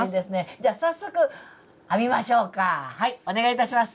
じゃ早速編みましょうかはいお願いいたします。